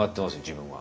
自分は。